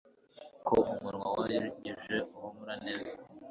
Ko umunwa wogeje uhumura neza